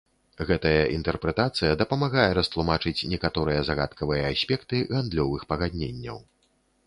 Гэтая інтэрпрэтацыя дапамагае растлумачыць некаторыя загадкавыя аспекты гандлёвых пагадненняў.